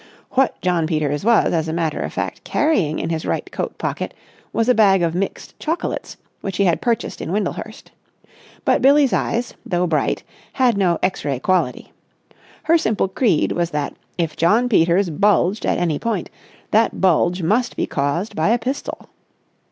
What Jno. Peters was, as a matter of fact, carrying in his right coat pocket was a bag of mixed chocolates which he had purchased in Windlehurst. But Billie's eyes, though bright, had no X ray quality. Her simple creed was that, if Jno. Peters bulged at any point, that bulge must be caused by a pistol.